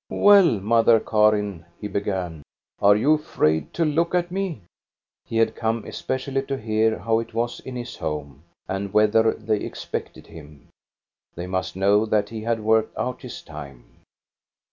"Well, Mother Karin," he began, "are you afraid to look at me?" He had come especially to hear how it was in his home, and whether they expected him. They must know that he had worked out his time.